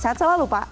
saat selalu pak